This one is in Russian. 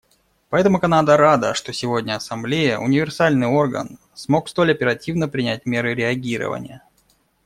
Поэтому Канада рада, что сегодня Ассамблея, универсальный орган, смогла столь оперативно принять меры реагирования.